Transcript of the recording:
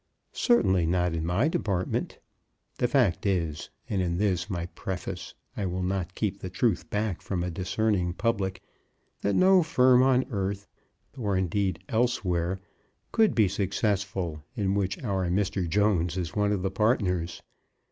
Certainly not in my department. The fact is, and in this my preface I will not keep the truth back from a discerning public, that no firm on earth, or indeed elsewhere, could be successful in which our Mr. Jones is one of the partners.